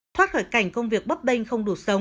thoát khỏi cảnh công việc bấp đênh không đủ